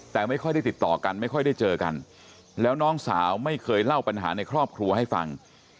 แต่ไม่ค่อยได้ติดต่อกันไม่ค่อยได้เจอกันแล้วน้องสาวไม่เคยเล่าปัญหาในครอบครัวให้ฟัง